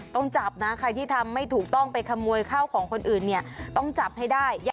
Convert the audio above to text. ต้องจับนะใครที่ทำไม่ถูกต้องไปขโมยข้าวของคนอื่นเนี่ยต้องจับให้ได้